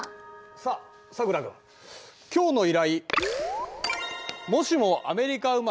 さあさくら君今日の依頼。